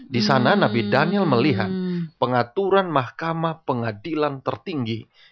di sana nabi daniel melihat pengaturan mahkamah pengadilan tertinggi